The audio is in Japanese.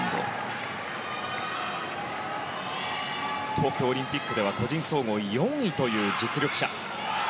東京オリンピックでは個人総合４位という実力者。